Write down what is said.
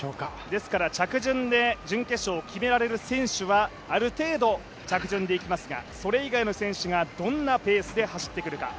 ですから着順で準決勝決められる選手はある程度、着順でいきますがそれ以外の選手がどんなペースで走ってくるか。